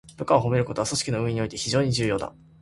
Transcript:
部下を褒めることは、組織の運営において非常に重要だ。